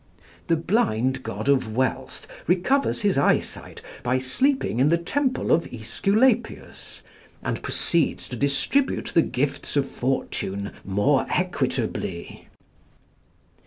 The blind god of Wealth recovers his eyesight by sleeping in the temple of Æsculapius, and proceeds to distribute the gifts of fortune more equitably.